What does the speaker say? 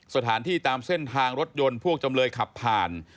สถานที่ตามเส้นทางรถยนต์พวกจำเลยขับผ่าน